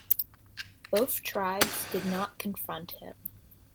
Both tribes did not confront him.